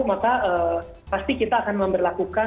maka pasti kita akan memperlakukan